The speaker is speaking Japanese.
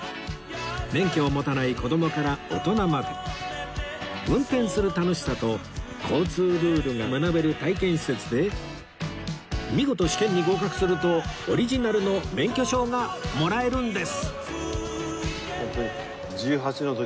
免許を持たない子供から大人まで運転する楽しさと交通ルールが学べる体験施設で見事試験に合格するとオリジナルの免許証がもらえるんです！